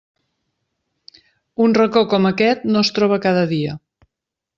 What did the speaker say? Un racó com aquest no es troba cada dia.